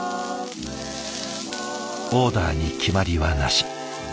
オーダーに決まりはなし。